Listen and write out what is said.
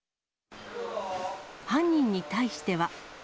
犯人に対しては。